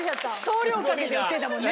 送料かけて売ってんだもんね。